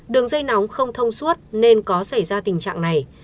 đường dây nóng không thông suốt nên có xảy ra tình trạng này